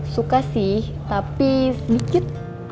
suka sih tapi sedikit